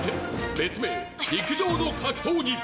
「別名陸上の格闘技！」